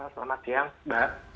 selamat siang mbak